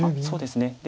そうですね。